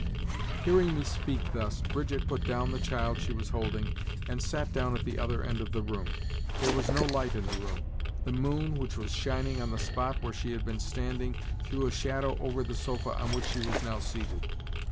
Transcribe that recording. Hearing me speak thus, Brigitte put down the child she was holding; she sat down at the other end of the room. There was no light in the room; the moon, which was shining on the spot where she had been standing, threw a shadow over the sofa on which she was now seated.